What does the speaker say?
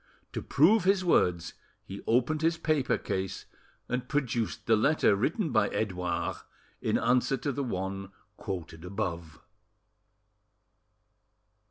To prove his words, he opened his paper case, and produced the letter written by Edouard in answer to the one quoted above.